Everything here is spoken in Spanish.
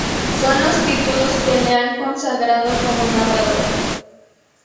Son los títulos que le han consagrado como narrador.